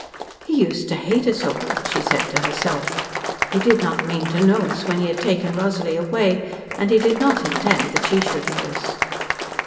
"He used to hate us all," she said to herself. "He did not mean to know us when he had taken Rosalie away, and he did not intend that she should know us."